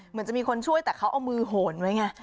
เหมือนจะมีคนช่วยแต่เขาเอามือโหนไว้ไง